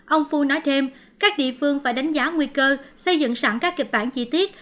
ông phu nói thêm các địa phương phải đánh giá nguy cơ xây dựng sẵn các kịch bản chi tiết